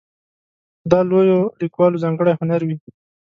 خو دا د لویو لیکوالو ځانګړی هنر وي.